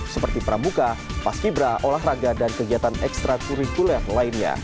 seperti pramuka paskibra olahraga dan kegiatan ekstra kurikuler lainnya